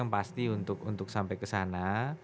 tapi kita memang pasti untuk sampai kesana